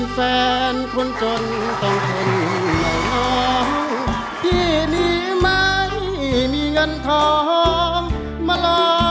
ฟ้านลำบาล